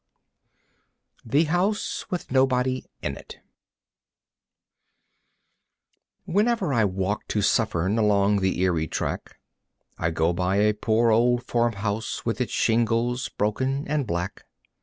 The House with Nobody in It Whenever I walk to Suffern along the Erie track I go by a poor old farmhouse with its shingles broken and black.